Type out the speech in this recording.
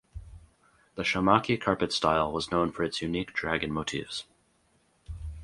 The Shamakhi carpet style was known for its unique dragon motifs.